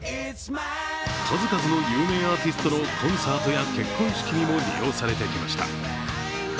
数々の有名アーティストのコンサートや結婚式にも利用されてきました。